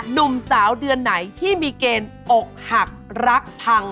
หนุ่มสาวเดือนไหนที่มีเกณฑ์อกหักรักพัง